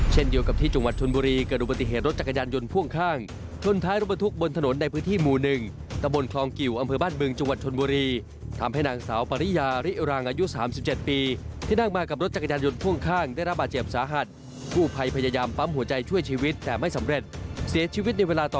เช่นเดียวกับที่จุงวัฒนมุรี